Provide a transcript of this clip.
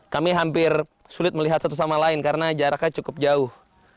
kami hampir sulit melihat satu sama lain karena jaraknya cukup jauh